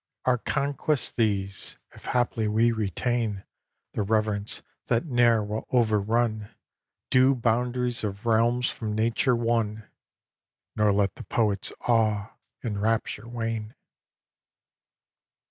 XXIX Our conquest these: if haply we retain The reverence that ne'er will overrun Due boundaries of realms from Nature won, Nor let the poet's awe in rapture wane.